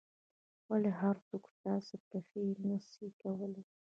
ولي هر څوک ستاسو پېښې نه سي کولای؟